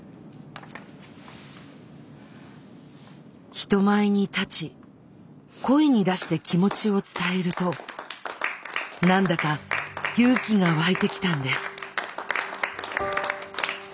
人前に立ち声に出して気持ちを伝えると何だか勇気が湧いてきたんです。